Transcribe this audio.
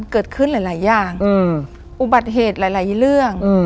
เกิดขึ้นหลายอย่างอุบัติเหตุหลายเรื่อง